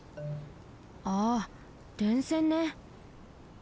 ああ電線ね。